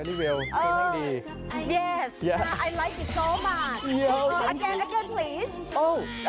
ได้มั้ยคะ